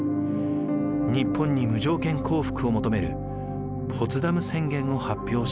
日本に無条件降伏を求めるポツダム宣言を発表しました。